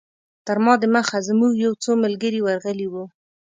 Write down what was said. تر ما دمخه زموږ یو څو ملګري ورغلي وو.